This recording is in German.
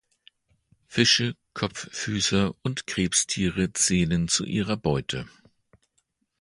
Fische, Kopffüßer und Krebstiere zählen zu ihrer Beute.